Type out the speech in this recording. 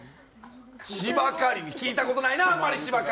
芝刈りに聞いたことないな、あんまり。